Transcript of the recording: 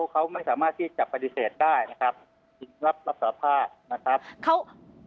เขาไม่สามารถที่จะปฏิเสธได้นะครับรับสาภาพนะครับ